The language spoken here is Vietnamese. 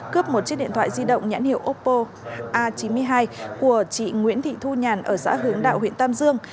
cướp một chiếc điện thoại di động nhãn hiệu opo a chín mươi hai của chị nguyễn thị thu nhàn ở xã hướng đạo huyện tam dương